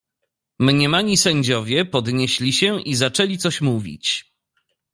"Mniemani sędziowie podnieśli się i zaczęli coś mówić."